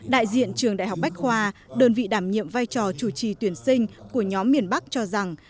đại diện trường đại học bách khoa đơn vị đảm nhiệm vai trò chủ trì tuyển sinh của nhóm miền bắc cho rằng